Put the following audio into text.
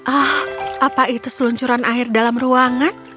ah apa itu seluncuran air dalam ruangan